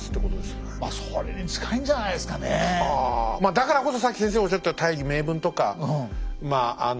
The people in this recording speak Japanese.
まあだからこそさっき先生がおっしゃった大義名分とかまああの。